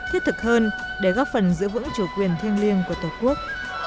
hãy thức hơn để góp phần giữ vững chủ quyền thiên liêng của tổ quốc